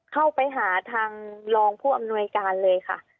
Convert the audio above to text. เข้าไปหาทางรองผู้อำนวยการเลยค่ะ